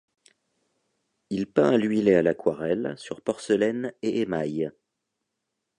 Il peint à l'huile et à l'aquarelle, sur porcelaine et émail.